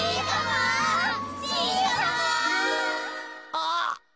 あっ。